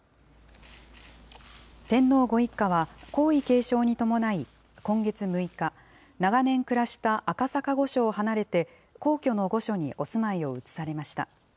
天皇ご一家は、皇位継承に伴い、今月６日、長年暮らした赤坂御所を離れて、皇居の御所にお住まいを移されました。